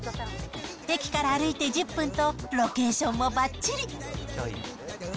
駅から歩いて１０分と、ロケーションもばっちり。